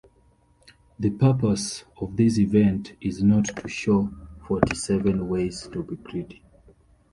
The purpose of this event is not to show forty-seven ways to be greedy.